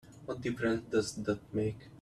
What difference does that make?